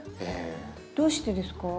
どうしてですか？